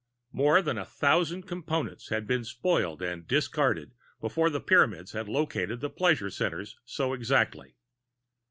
More than a thousand Components had been spoiled and discarded before the Pyramids had located the pleasure centers so exactly.